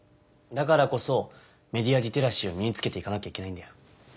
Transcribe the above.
だからこそメディア・リテラシーを身につけていかなきゃいけないんだよ。